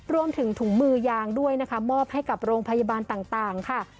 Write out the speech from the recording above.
รวมถึงถุงมือยางด้วยนะคะมอบให้กับโรงพยาบาลต่างค่ะ